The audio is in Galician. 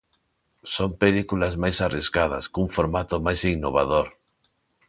Son películas máis arriscadas, cun formato máis innovador.